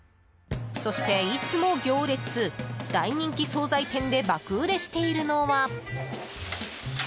そして、いつも行列大人気総菜店で爆売れしているのは。